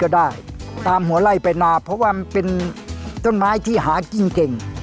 ได้ตามหัวไล่ไปนาเพราะว่ามันเป็นต้นไม้ที่หากินเก่ง